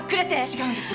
違うんです。